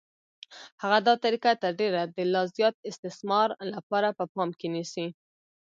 هغه دا طریقه تر ډېره د لا زیات استثمار لپاره په پام کې نیسي